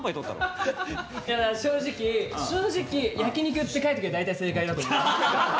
正直正直焼き肉って書いとけば大体正解だと思う。